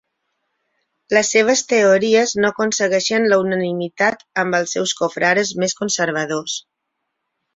Les seves teories no aconsegueixen la unanimitat amb els seus confrares més conservadors.